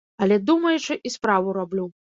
Але думаючы і справу раблю.